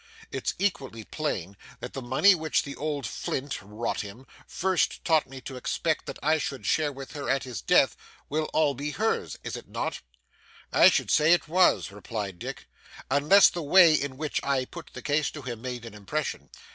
'It's equally plain that the money which the old flint rot him first taught me to expect that I should share with her at his death, will all be hers, is it not?' 'I should said it was,' replied Dick; 'unless the way in which I put the case to him, made an impression.